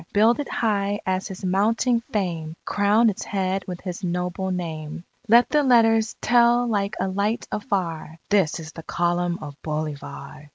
Build it high as his mounting fame! Crown its head with his noble name! Let the letters tell like a light afar, "This is the Column of Bolivar!"